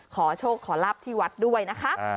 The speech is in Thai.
ขอโชคขอรับที่วัดด้วยนะคะ